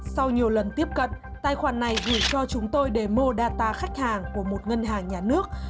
sau nhiều lần tiếp cận tài khoản này gửi cho chúng tôi để modata khách hàng của một ngân hàng nhà nước